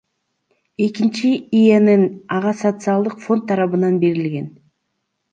Экинчи ИНН ага Социалдык фонд тарабынан берилген.